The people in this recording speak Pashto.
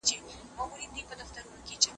مجاهدین د خپل دین دپاره هر څه هېروی.